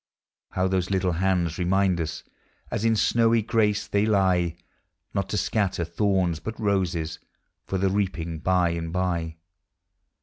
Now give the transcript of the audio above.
How those little hands remind us, As in snowy grace they lie, Not to scatter thorns, but roses, For the reaping by and by.